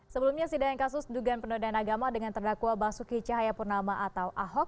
sebelumnya sidang kasus dugaan penundaan agama dengan terdakwa basuki cahaya purnama atau ahok